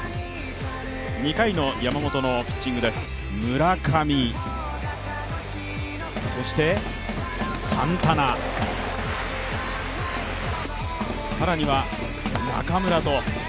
２回の山本のピッチングです、村上、そしてサンタナ、更には中村と。